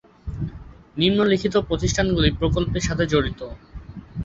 নিম্নলিখিত প্রতিষ্ঠানগুলি প্রকল্পের সাথে জড়িত